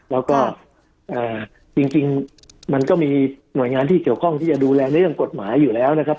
แล้วก็จริงมันก็มีหน่วยงานที่เกี่ยวข้องที่จะดูแลในเรื่องกฎหมายอยู่แล้วนะครับ